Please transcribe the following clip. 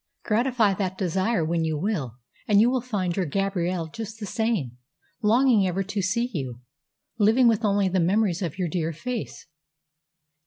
Gratify that desire when you will, and you will find your Gabrielle just the same longing ever to see you, living with only the memories of your dear face.